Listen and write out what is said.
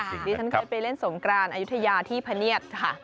ที่ฉันเคยไปเล่นสงกรานอายุทยาที่พะเนียดค่ะ